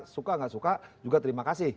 suka nggak suka juga terima kasih